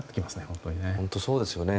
本当、そうですね。